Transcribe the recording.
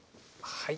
はい。